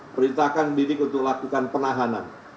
perintahkan bidik untuk lakukan penahanan